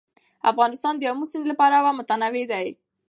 افغانستان د آمو سیند له پلوه متنوع دی.